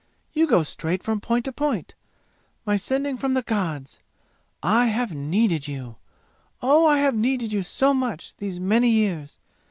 You go straight from point to point, my sending from the gods! I have needed you! Oh, I have needed you so much, these many years!